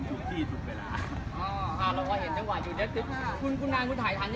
ภูมิพอมันแบบนี้น่าจะให้โคซิโก้มาดูพอมั๊กน่ะ